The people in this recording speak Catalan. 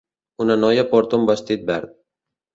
Una noia porta un vestit verd.